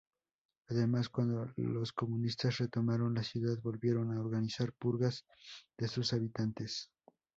Además, cuando los comunistas retomaron la ciudad, volvieron a organizar purgas de sus habitantes.